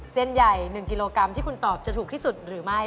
เส้นใหญ่๑กิโลกรัมที่คุณตอบจะถูกที่สุดหรือไม่